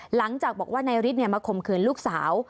หลังจากบอกว่านายฤทธิ์มาข่มขืนลูกสาว